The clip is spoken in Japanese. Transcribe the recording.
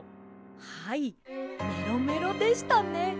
はいメロメロでしたね。